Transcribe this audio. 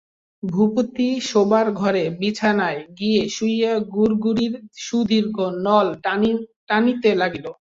ভূপতি শোবার ঘরে বিছানায় গিয়া শুইয়া গুড়গুড়ির সুদীর্ঘ নল টানিতে লাগিল।